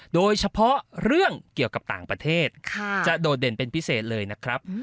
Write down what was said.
โดยเฉพาะเรื่องเกี่ยวกับต่างประเทศจะโดดเด่นเป็นพิเศษเลยนะครับ